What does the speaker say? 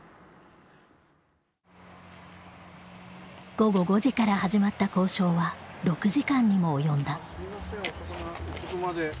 午後５時から始まった交渉は６時間にも及んだ。